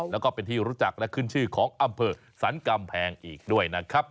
แล้วก็เป็นที่รู้จักและขึ้นชื่อของอำเภอสรรกำแพงอีกด้วยนะครับ